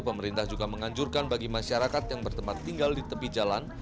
pemerintah juga menganjurkan bagi masyarakat yang bertempat tinggal di tepi jalan